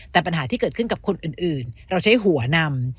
แต่ปัญหาที่เกิดขึ้นกับคนอื่นเราใช้หัวนำ